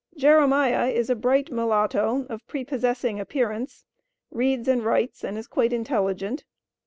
Jeremiah is a bright mulatto, of prepossessing appearance, reads and writes, and is quite intelligent.